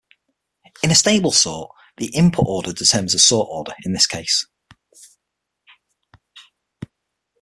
In a stable sort, the input order determines the sorted order in this case.